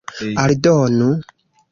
aldonu